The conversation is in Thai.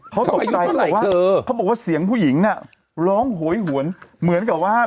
เขาตกใจเขาบอกว่าเขาบอกว่าเสียงผู้หญิงน่ะร้องโหยหวนเหมือนกับว่า